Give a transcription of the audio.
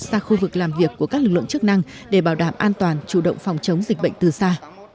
xa khu vực làm việc của các lực lượng chức năng để bảo đảm an toàn chủ động phòng chống dịch bệnh từ xa